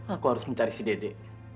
aku harus mencari si dede